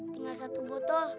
tinggal satu botol